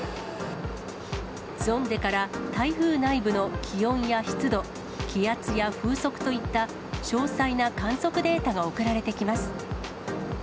ゾンデから台風内部の気温や湿度、気圧や風速といった、詳細な観測データが送られてきます。